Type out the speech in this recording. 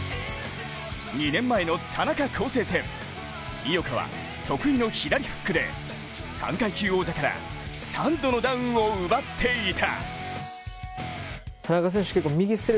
井岡は得意の左フックで、３階級王者から３度のダウンを奪っていた。